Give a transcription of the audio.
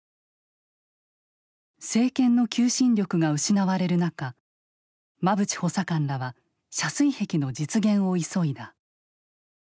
政権の求心力が失われる中馬淵補佐官らは遮水壁の実現を急いだ。